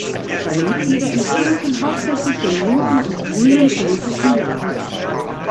Seine Mitglieder entstammten hauptsächlich dem linken und grünen politischen Lager.